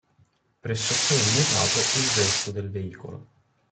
Pressoché immutato il resto del veicolo.